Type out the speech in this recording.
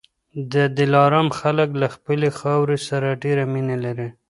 د دلارام خلک له خپلي خاورې سره ډېره مینه لري.